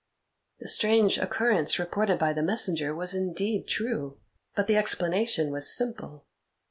The strange occurrence reported by the messenger was indeed true, but the explanation was simple.